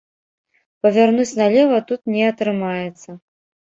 Павярнуць налева тут не атрымаецца.